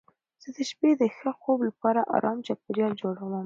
زه د شپې د ښه خوب لپاره ارام چاپېریال جوړوم.